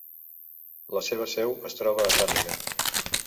La seva seu es troba a Tàrrega.